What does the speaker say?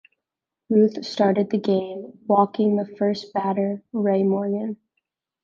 Ruth started the game, walking the first batter, Ray Morgan.